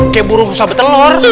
kayak burung usah betelor